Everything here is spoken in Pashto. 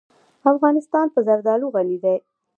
افغانستان په زردالو غني دی.